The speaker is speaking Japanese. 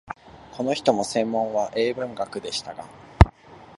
この人も専門は英文学でしたが、